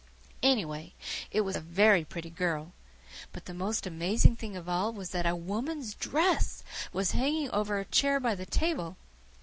Anyway, it was a very pretty girl. But the most amazing thing of all was that A WOMAN'S DRESS was hanging over a chair by the table.